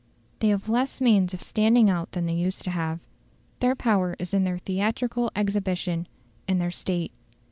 They have less means of standing out than they used to have. Their power is in their theatrical exhibition, in their state.